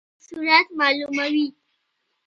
غوږ د غږ سرعت معلوموي.